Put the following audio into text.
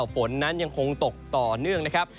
ฝนนั้นยังคงตกต่อเนื่องนะครับ